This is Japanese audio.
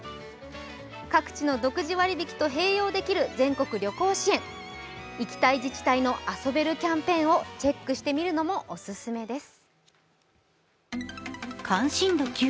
各地の独自割引と併用できる全国旅行支援行きたい自治体の遊べるキャンペーンをチェックしてみるのもお勧めです。